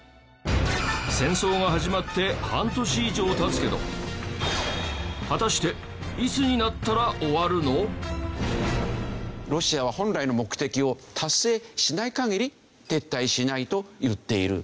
戦争が始まって半年以上経つけど果たしてロシアは本来の目的を達成しない限り撤退しないと言っている。